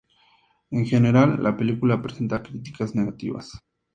En general la película presenta críticas negativas.